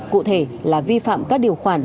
cụ thể là vi phạm các điều khoản